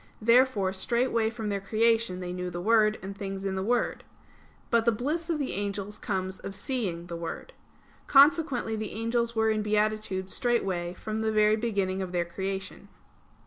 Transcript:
Therefore straightway from their creation they knew the Word, and things in the Word. But the bliss of the angels comes of seeing the Word. Consequently the angels were in beatitude straightway from the very beginning of their creation.